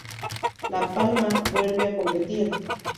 La Palma" vuelve a competir.